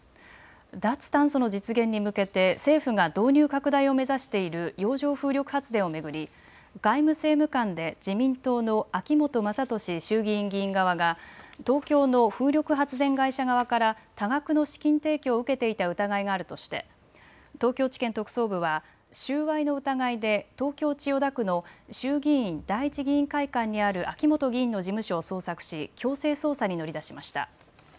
脱炭素の実現に向けて政府が導入を目指している洋上風力発電をめぐり外務政務官で自民党の秋本真利衆議院議員側が東京の風力発電会社側から多額の資金提供を受けていた疑いがあるとして東京地検特捜部は収賄の疑いで東京・千代田区の衆議院第一議員会館にある秋本議員の事務所を捜索し強制捜査に乗り出しました。